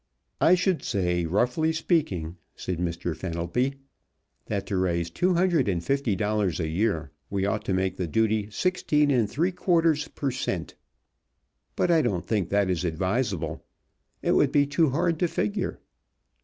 "I should say, roughly speaking," said Mr. Fenelby, "that to raise two hundred and fifty dollars a year we ought to make the duty sixteen and three quarters per cent., but I don't think that is advisable. It would be too hard to figure.